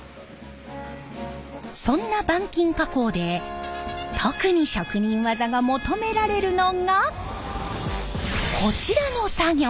そんな板金加工で特に職人技が求められるのがこちらの作業！